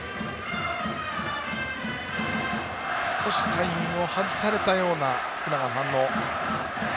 少しタイミングを外されたような福永の反応。